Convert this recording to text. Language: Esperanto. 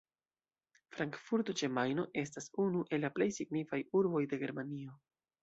Frankfurto ĉe Majno estas unu el la plej signifaj urboj de Germanio.